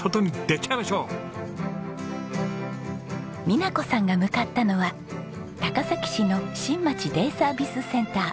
美奈子さんが向かったのは高崎市の新町デイサービスセンター。